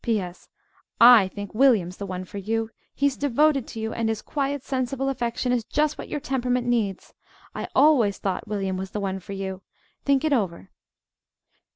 "P. S. I think William's the one for you. He's devoted to you, and his quiet, sensible affection is just what your temperament needs. I always thought William was the one for you. Think it over.